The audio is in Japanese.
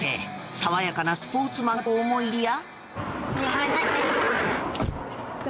さわやかなスポーツマンかと思いきや。